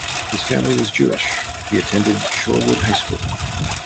His family was Jewish; he attended Shorewood High School.